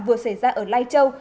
vừa xảy ra ở lai châu